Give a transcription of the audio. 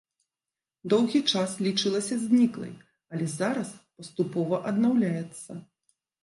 Доўгі час лічылася зніклай, але зараз паступова аднаўляецца.